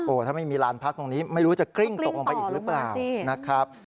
ถ้าไม่มีลานพักตรงนี้ไม่รู้จะกริ้งตกลงไปอีกหรือเปล่านะครับ